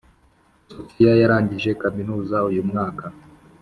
sofia yarangije kaminuza uyu mwaka